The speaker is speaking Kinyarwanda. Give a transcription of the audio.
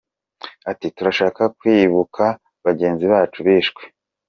Ati “Turashaka kwibuka bagenzi bacu bishwe.